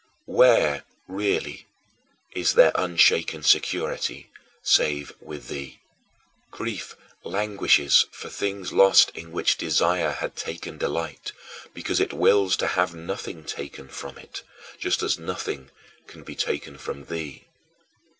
Where, really, is there unshaken security save with thee? Grief languishes for things lost in which desire had taken delight, because it wills to have nothing taken from it, just as nothing can be taken from thee.